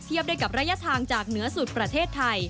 ได้กับระยะทางจากเหนือสุดประเทศไทย